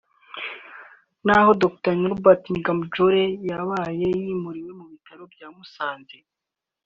naho Dr Norbert Ngabjole yabaye yimuriwe mu bitaro bya Musanze